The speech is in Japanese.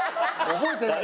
覚えてない。